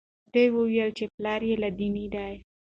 ده وویل چې پلار یې لادیني دی.